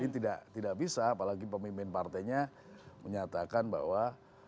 jadi tidak bisa apalagi pemimpin partainya menyatakan bahwa